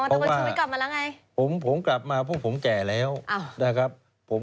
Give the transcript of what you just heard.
โอ้วเดี๋ยวชูวิตกลับมาแล้วไงเพราะว่า